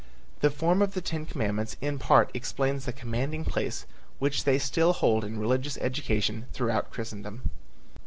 The form of the ten commandments in part explains the commanding place which they still hold in religious education throughout Christendom.